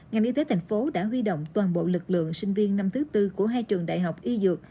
ngành y tế thành phố đã huy động toàn bộ lực lượng sinh viên năm thứ tư của hai trường đại học y dược